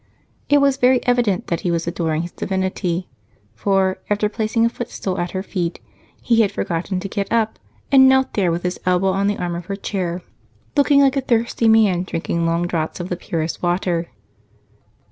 It was very evident that he was adoring his divinity, for, after placing a footstool at her feet, he had forgotten to get up and knelt there with his elbow on the arm of her chair, looking like a thirsty man drinking long drafts of the purest water.